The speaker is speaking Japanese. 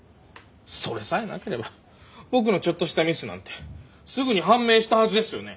それさえなければ僕のちょっとしたミスなんてすぐに判明したはずですよね？